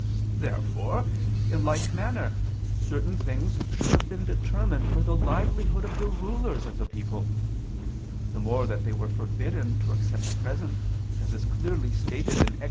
Therefore in like manner certain things should have been determined for the livelihood of the rulers of the people: the more that they were forbidden to accept presents, as is clearly stated in Ex.